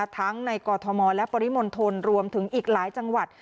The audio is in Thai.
ทั้งในกอทมและปริมณฑลรวมถึงอีกหลายจังหวัด